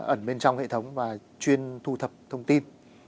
ẩn bên trong hệ thống và chuyên thu thập thông tin